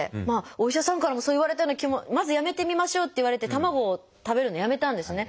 お医者さんからもそう言われたような気もまずやめてみましょうって言われて卵を食べるのをやめたんですね。